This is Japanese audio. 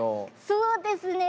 そうですね。